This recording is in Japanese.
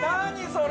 それ！